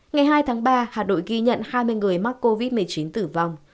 ngày hai tháng ba hà nội ghi nhận hai mươi người mắc covid một mươi chín tử vong